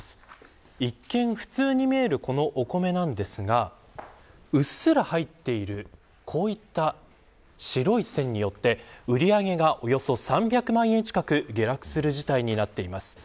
一見、普通に見えるこのお米なんですがうっすら入っているこういった白い線によって売り上げがおよそ３００万円近く下落する事態になっています。